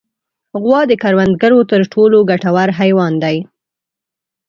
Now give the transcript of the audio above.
غوا د کروندګرو تر ټولو ګټور حیوان دی.